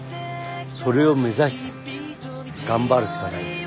それを目指して頑張るしかないです。